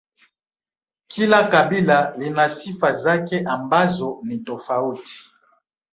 kila kabila lina sifa zake ambazo ni tofauti